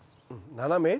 斜め？